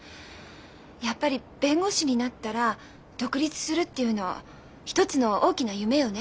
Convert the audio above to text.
やっぱり弁護士になったら独立するっていうの一つの大きな夢よね。